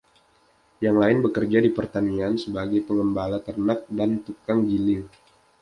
Yang lain bekerja di pertanian sebagai penggembala ternak dan tukang giling.